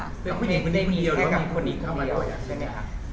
คือผู้หญิงมันได้มีเดียวแล้วมีคนอีกเข้ามาเดียวใช่ไหมคะ